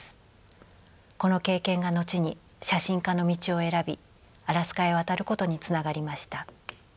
この経験が後に写真家の道を選びアラスカへ渡ることにつながりました。